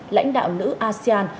lãnh đạo nữ asean